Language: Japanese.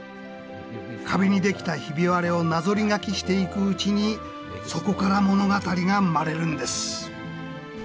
壁に出来たひび割れをなぞり描きしていくうちにそこから物語が生まれるんです。